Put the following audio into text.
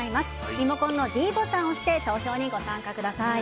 リモコンのｄボタンを押して投票にご参加ください。